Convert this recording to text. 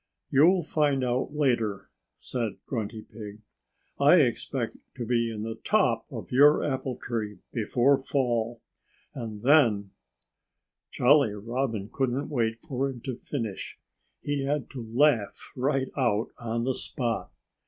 "You'll find out later," said Grunty Pig. "I expect to be in the top of your apple tree before fall. And then " Jolly Robin couldn't wait for him to finish. He had to laugh right out, on the spot.